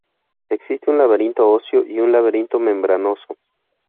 Existe un laberinto óseo y un laberinto membranoso.